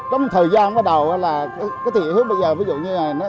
trong thời gian bắt đầu cái thị hước bây giờ ví dụ như này